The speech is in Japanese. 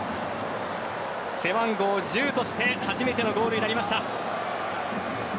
背番号１０として初めてのゴールになりました。